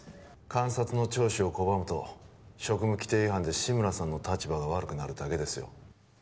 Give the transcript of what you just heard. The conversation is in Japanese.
監察の聴取を拒むと職務規程違反で志村さんの立場が悪くなるだけですよ